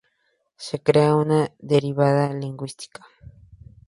Se crea una derivada lingüística.